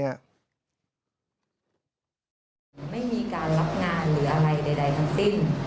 ไม่มีการรับงานหรืออะไรใดทั้งสิ้น